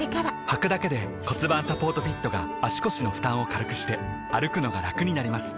はくだけで骨盤サポートフィットが腰の負担を軽くして歩くのがラクになります